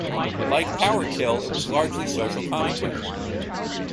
Like "Power Kill" it was largely social commentary.